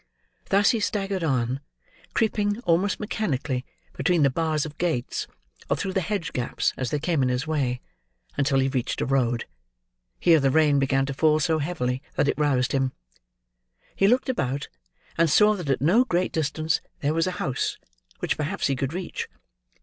Thus he staggered on, creeping, almost mechanically, between the bars of gates, or through hedge gaps as they came in his way, until he reached a road. Here the rain began to fall so heavily, that it roused him. He looked about, and saw that at no great distance there was a house, which perhaps he could reach.